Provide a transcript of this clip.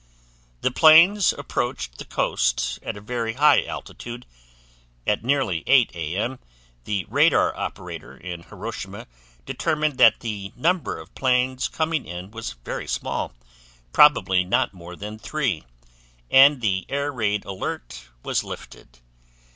The planes approached the coast at a very high altitude. At nearly 8:00 A.M., the radar operator in Hiroshima determined that the number of planes coming in was very small probably not more than three and the air raid alert was lifted.